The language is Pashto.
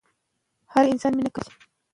د درد مخنیوي مخکې درمل اثر کوي.